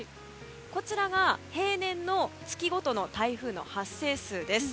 こちらが平年の月ごとの台風の発生数です。